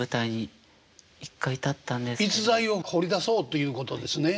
逸材を掘り出そうということですね。